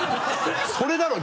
それだろ！